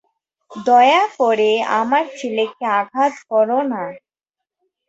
দয়া করে আমার ছেলেকে আঘাত করো না।